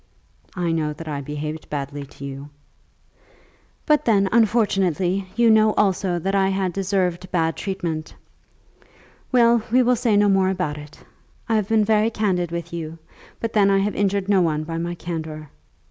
"I know that I have behaved badly to you." "But then unfortunately you know also that I had deserved bad treatment. Well; we will say no more about it. I have been very candid with you, but then I have injured no one by my candour.